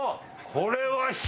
これは。